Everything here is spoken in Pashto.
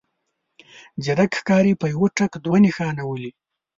ځيرک ښکاري په يوه ټک دوه نښانه ولي.